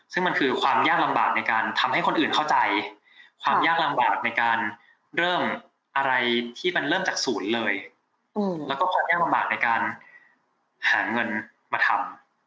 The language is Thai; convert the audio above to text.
ซึ่งมันคือความยากลำบากในการทำให้คนอื่นเข้าใจความยากลำบากในการเริ่มอะไรที่มันเริ่มจากศูนย์เลยแล้วก็ความยากลำบากในการหาเงินมาทำ